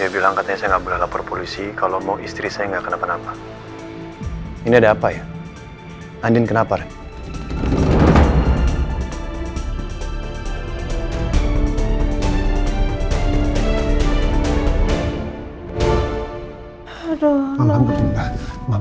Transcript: bilang katanya saya lapor polisi kalau mau istri saya nggak kenapa napa ini ada apa ya andien kenapa